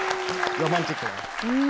ロマンチックな。